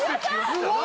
・すごい！